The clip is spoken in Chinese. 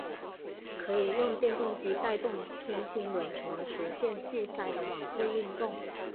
可以用电动机带动偏心轮从而实现柱塞的往复运动。